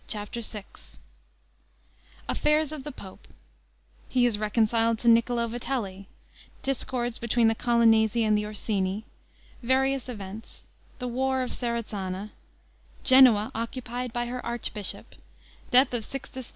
CHAPTER VI Affairs of the pope He is reconciled to Niccolo Vitelli Discords between the Colonnesi and the Orsini Various events The war of Serezana Genoa occupied by her archbishop Death of Sixtus IV.